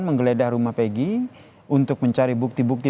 menggeledah rumah peggy untuk mencari bukti bukti